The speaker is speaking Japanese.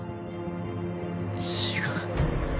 違う。